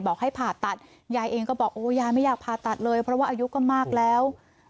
ให้ผ่าตัดยายเองก็บอกโอ้ยายไม่อยากผ่าตัดเลยเพราะว่าอายุก็มากแล้ว